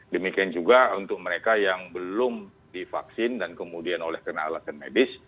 demikian juga untuk mereka yang belum divaksin dan kemudian oleh karena alasan medis